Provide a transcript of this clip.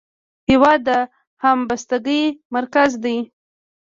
هېواد د همبستګۍ مرکز دی.